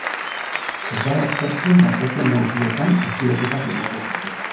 Ez da baztertzen datozen orduotan atxiloketa gehiago egotea.